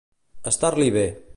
Estar-li bé.